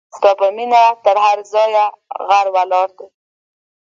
انګور د افغانستان د بشري فرهنګ یوه برخه ده.